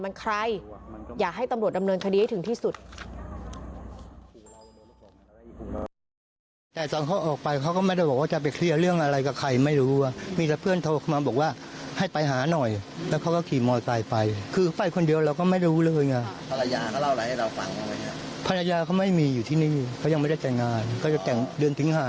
มันใครอยากให้ตำรวจดำเนินคดีให้ถึงที่สุด